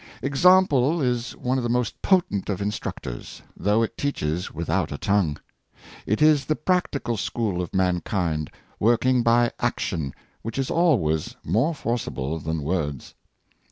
XAMPLE is one of the most potent of instruct ors, though it teaches without a tongue. It is the practical school of mankind, working by action, which is always more forcible than words.